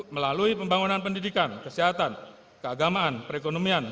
melalui pembangunan pendidikan kesehatan keagamaan perekonomian